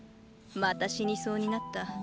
また死にそうになった。